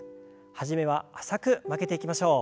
初めは浅く曲げていきましょう。